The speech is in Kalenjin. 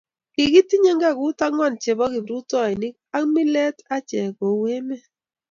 kikitinye ngekut angwan chebo kiprutoinik ak milet achek kou emet